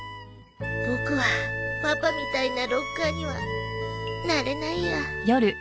ボクはパパみたいなロッカーにはなれないや。